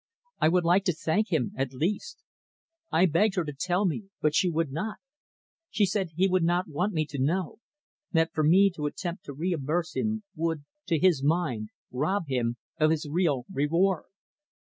I would like to thank him, at least. I begged her to tell me, but she would not. She said he would not want me to know that for me to attempt to reimburse him would, to his mind, rob him of his real reward."